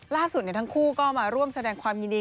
ล่าสุดทั้งคู่ก็มาร่วมแสดงความยินดี